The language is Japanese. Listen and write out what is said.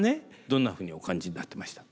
どんなふうにお感じになってました？